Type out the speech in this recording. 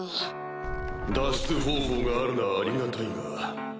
脱出方法があるならありがたいが。